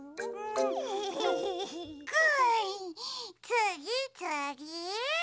つぎつぎ！